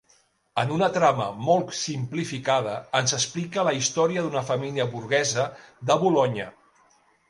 En una trama molt simplificada, ens explica la història d'una família burgesa de Bolonya.